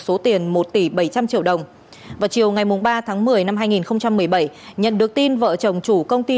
số tiền một tỷ bảy trăm linh triệu đồng vào chiều ngày ba tháng một mươi năm hai nghìn một mươi bảy nhận được tin vợ chồng chủ công ty